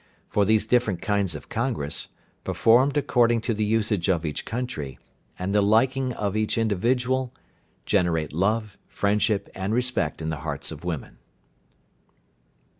For these different kinds of congress, performed according to the usage of each country, and the liking of each individual, generate love, friendship, and respect in the hearts of women."